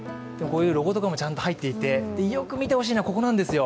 ロゴとかもちゃんと入っていてよく見てほしいのはここなんですよ。